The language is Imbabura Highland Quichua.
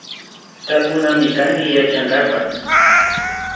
Tapunamikanki Yachankapak